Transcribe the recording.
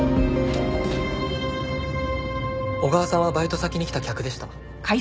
小川さんはバイト先に来た客でした。